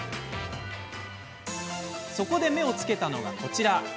そこで目を付けたのが、こちら。